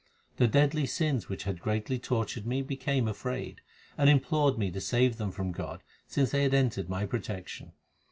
The deadly sins which . had greatly tortured me became afraid, And implored me to save them from God since they had entered my protection.